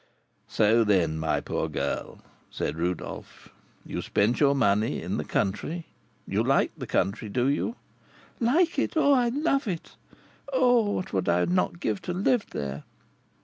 "So, then, my poor girl," said Rodolph, "you spent your money in the country, you like the country, do you?" "Like it? I love it! Oh, what would I not give to live there?